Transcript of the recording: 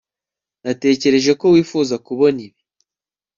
natekereje ko wifuza kubona ibi